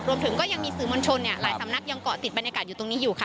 รวมถึงก็ยังมีสื่อมวลชนหลายสำนักยังเกาะติดบรรยากาศอยู่ตรงนี้อยู่ค่ะ